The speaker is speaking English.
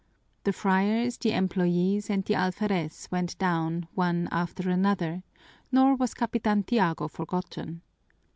The friars, the employees, and the alferez went down one after another, nor was Capitan Tiago forgotten.